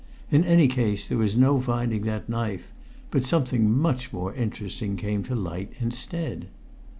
In any case there was no finding that knife, but something much more interesting came to light instead.